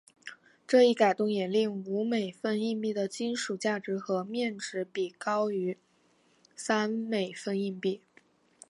这一改动也令五美分硬币的金属价值和面值比高于三美分硬币。